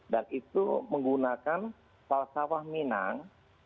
dan itu menggunakan falsawah minang